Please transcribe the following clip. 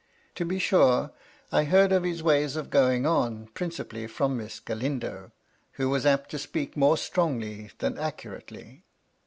To be sure, I heard of his ways of going on principally from Miss Galindo, who was apt to speak more strongly than accurately.